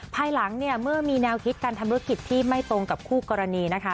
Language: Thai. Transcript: ภายหลังเนี่ยเมื่อมีแนวคิดการทำธุรกิจที่ไม่ตรงกับคู่กรณีนะคะ